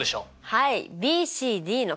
はい。